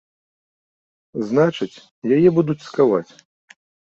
Значыць, яе будуць цкаваць.